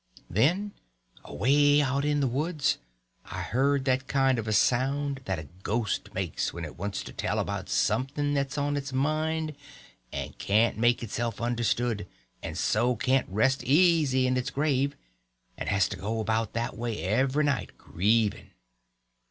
Then away out in the woods I heard that kind of a sound that a ghost makes when it wants to tell about something that's on its mind and can't make itself understood, and so can't rest easy in its grave, and has to go about that way every night grieving.